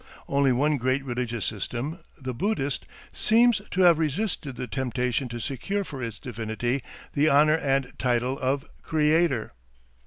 Only one great religious system, the Buddhist, seems to have resisted the temptation to secure for its divinity the honour and title of Creator.